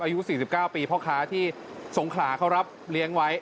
อายุ๔๙ปีพ่อค้าที่สงขลาเขารับเลี้ยงไว้